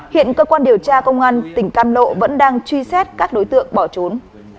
hiện cơ quan điều tra công an tỉnh cam lộ vẫn đang truy xét các đối tượng bỏ trốn